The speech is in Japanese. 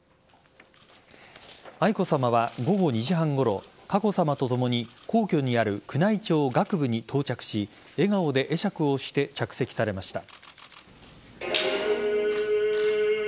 愛子さまは午後２時半ごろ佳子さまとともに皇居にある宮内庁楽部に到着し笑顔で会釈をして着席されました。